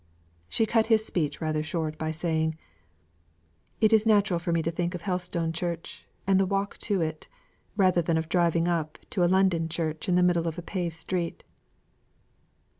She cut his speech rather short by saying: "It is natural for me to think of Helstone church, and the walk to it, rather than of driving up to a London church in the middle of a paved street."